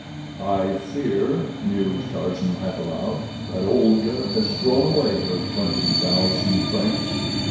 "I fear," mused Tarzan, half aloud, "that Olga has thrown away her twenty thousand francs."